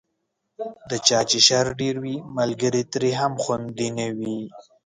د چا چې شر ډېر وي، ملګری یې ترې هم خوندي نه وي.